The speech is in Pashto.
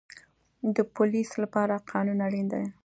د پولیس لپاره قانون اړین دی